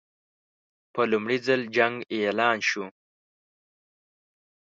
په لومړي ځل جنګ اعلان شو.